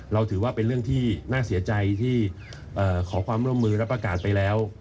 ถือว่าเป็นเรื่องที่น่าเสียใจที่ขอความร่วมมือและประกาศไปแล้ว